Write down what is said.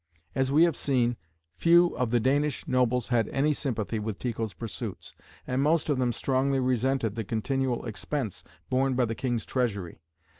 As we have seen, few of the Danish nobles had any sympathy with Tycho's pursuits, and most of them strongly resented the continual expense borne by the King's treasury.